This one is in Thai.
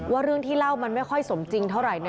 ว่าเรื่องที่เล่าคือไม่สมมติเท่าไหร่